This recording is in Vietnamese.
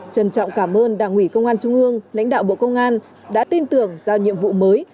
trân trọng cảm ơn đảng ủy công an trung ương lãnh đạo bộ công an đã tin tưởng giao nhiệm vụ mới